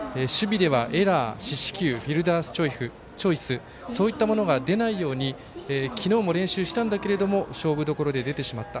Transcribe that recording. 守備では四死球、フィルダースチョイスそういったものが出ないように昨日も練習したんだけれども勝負どころで出てしまった。